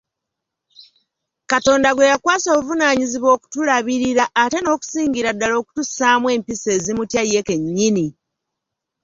Katonda gwe yakwasa obuvunaanyizibwa okutulabirira ate n'okusingira ddala okutussaamu empisa ezimutya ye kennyini.